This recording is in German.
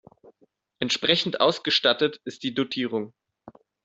Entsprechend ausgestattet ist die Dotierung.